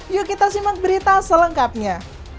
yuk kita simak berita selengkapnya